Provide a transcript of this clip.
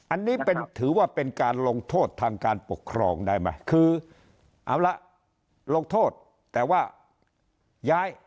อันนี้เป็นถือว่าเป็นการลงโทษทางการปกครองได้ไหมคือเอาละลงโทษแต่ว่าย้าย